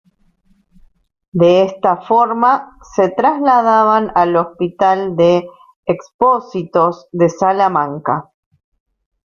De esta forma se trasladaban al Hospital de Expósitos de Salamanca.